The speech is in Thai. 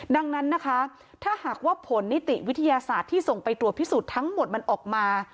ดังนั้นนะคะถ้าหากว่าผลนิติวิทยาศาสตร์ที่ส่งไปตรวจพิสูจน์ทั้งหมดมันออกมา